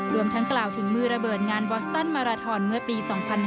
ทั้งกล่าวถึงมือระเบิดงานบอสตันมาราทอนเมื่อปี๒๕๕๙